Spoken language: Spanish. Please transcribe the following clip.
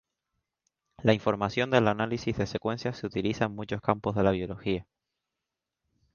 La información del análisis de secuencias se utiliza en muchos campos de la biología.